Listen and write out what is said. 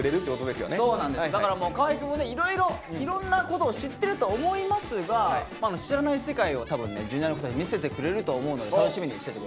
だから河合くんもねいろいろいろんなことを知ってると思いますが知らない世界を多分ねＪｒ．の子たち見せてくれると思うので楽しみにしてて下さい。